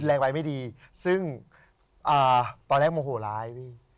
แรงไปไม่ดีซึ่งตอนแรกโมโหร้ายพี่